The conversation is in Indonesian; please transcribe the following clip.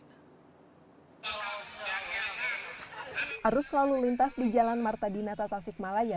harus selalu lintas di jalan marta dinata tasikmalaya